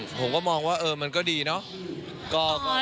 ผมก็มองว่ามันก็ดีเนาะ